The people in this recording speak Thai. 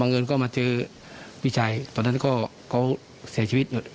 แล้วเขาเจอพี่ชายเตอร์เงินเสียชีวิต